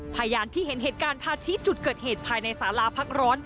พยานที่เห็นเหตุการณ์พาชี้จุดเกิดเหตุภายในสาราพักร้อน